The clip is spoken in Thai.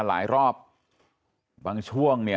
หลายรอบบางช่วง